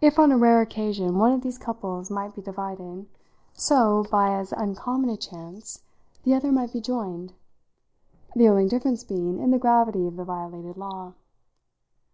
If on a rare occasion one of these couples might be divided, so, by as uncommon a chance, the other might be joined; the only difference being in the gravity of the violated law.